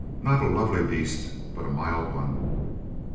Not a lovely beast, but a mild one.